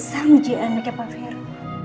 sangji anaknya pak fero